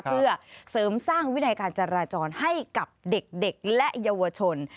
เพื่อเสริมสร้างวินัยการจราจรให้กับเด็กและเยาวชน